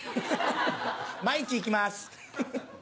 毎日行きます。